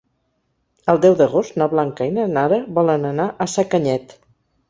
El deu d'agost na Blanca i na Nara volen anar a Sacanyet.